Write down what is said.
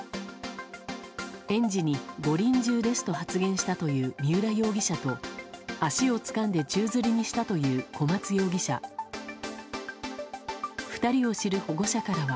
園児に、ご臨終ですと発言したという三浦容疑者と足をつかんで宙づりにしたという小松容疑者２人を知る保護者からは。